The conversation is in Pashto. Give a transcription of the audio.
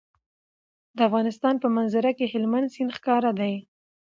د افغانستان په منظره کې هلمند سیند ښکاره ده.